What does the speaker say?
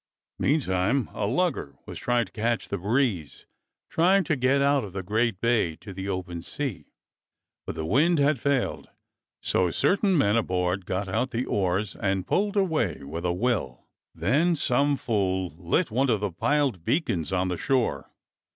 Meantime a lugger was trying to catch the breeze, trying to get out of the great bay to the open sea; but the wind had failed, so certain men aboard got out the 290 DOCTOR SYN oars and pulled away with a will. Then some fool lit one of the piled beacons on the shore.